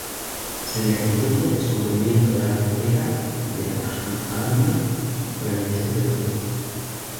Se le atribuye el descubrimiento de la Biblioteca de Asurbanipal durante este período.